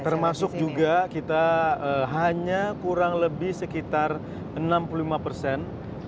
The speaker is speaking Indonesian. termasuk juga kita hanya kurang lebih sekitar enam puluh lima persen